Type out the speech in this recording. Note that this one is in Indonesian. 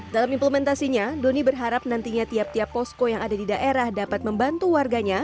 dalam implementasinya doni berharap nantinya tiap tiap posko yang ada di daerah dapat membantu warganya